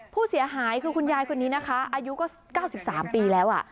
ผู้เสียหายคือคุณยายคนนี้นะคะอายุก็๙๓ปีแล้ว